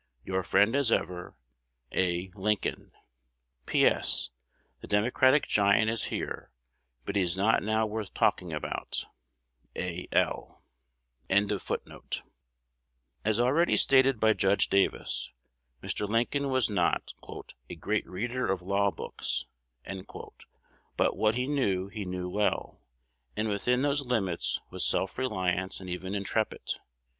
Your friend as ever, A. Lincoln. P. S. The Democratic giant is here, but he is not now worth talking about. A. L. As already stated by Judge Davis, Mr. Lincoln was not "a great reader of law books;" but what he knew he knew well, and within those limits was self reliant and even intrepid.